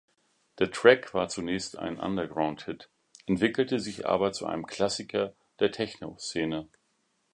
Der Track war zunächst ein Underground-Hit, entwickelte sich aber zu einem Klassiker der Technoszene.